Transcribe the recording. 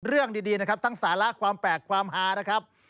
เรื่องดีนะครับทั้งสาระความแปลกความฮานะครับ